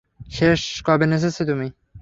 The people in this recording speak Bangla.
শেষ কবে নেচেছ তুমি?